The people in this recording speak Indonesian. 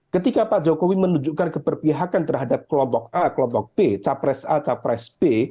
ketika pak jokowi menunjukkan keberpihakan terhadap kelompok a kelompok b capres a capres b